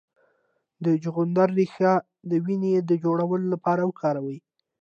د چغندر ریښه د وینې د جوړولو لپاره وکاروئ